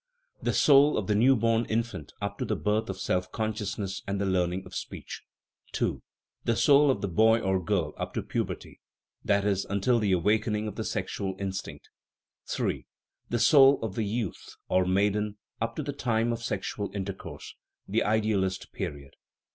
The soul of the new born infant up to the birth of self consciousness and the learning of speech. II. The soul of the boy or girl up to puberty (i.e., until the awakening of the sexual instinct). 146 THE EMBRYOLOGY OF THE SOUL III. The soul of the youth or maiden up to the time of sexual intercourse (the " idealist " period).